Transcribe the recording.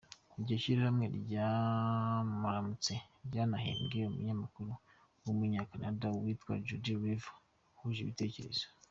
Iryo shyirahamwe rya Muramutse ryanahembye umunyamakuru w’umunya-Canada witwa Judi Rever bahuje ibitekerezo.